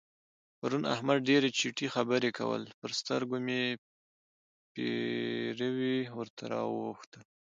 پرون احمد ډېرې چټي خبرې کول؛ پر سترګو مې پېروي ورته راواوښتل.